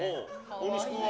大西君は？